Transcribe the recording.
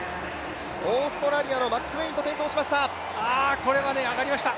オーストラリアのマクスウェインが上がりました。